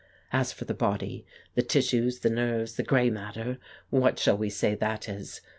As for the body, the tissues, the nerves, the grey matter, what shall we say that is?